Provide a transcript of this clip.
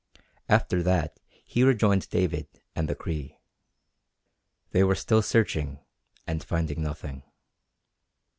After that he rejoined David and the Cree. They were still searching, and finding nothing.